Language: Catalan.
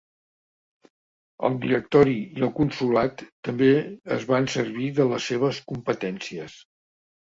El Directori i el Consolat també es van servir de les seves competències.